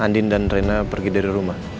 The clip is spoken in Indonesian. andin dan rena pergi dari rumah